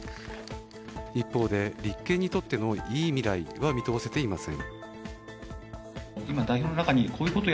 一方で立憲にとってのいい未来は見通せていません。